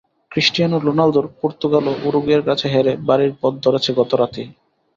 Cristiano রোনালদোর পর্তুগালও উরুগুয়ের কাছে হেরে বাড়ির পথ ধরেছে গত রাতেই।